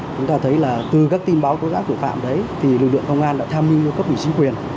chúng ta thấy là từ các tin báo tố giác tội phạm đấy thì lực lượng công an đã tham mưu cho cấp ủy chính quyền